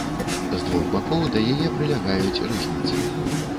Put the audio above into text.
З двух бакоў да яе прылягаюць рызніцы.